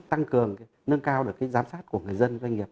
tăng cường nâng cao được giám sát của người dân doanh nghiệp